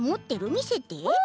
みせて。